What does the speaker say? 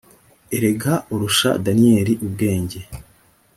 erega urusha daniyeli ubwenge